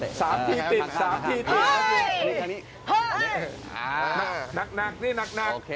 เอาไม่เอาเอาหนัก